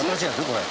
これ。